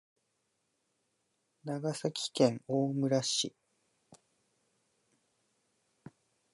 長崎県大村市